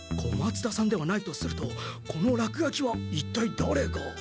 小松田さんではないとするとこのらくがきは一体だれが？